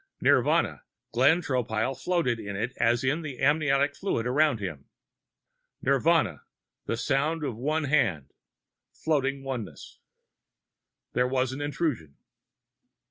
Nirvana. (Glenn Tropile floated in it as in the amniotic fluid around him.) Nirvana. (The sound of one hand.... Floating oneness.) There was an intrusion.